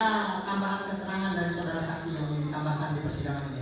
kita tambahkan keterangan dari saudara saksi yang ingin ditambahkan di persidangan ini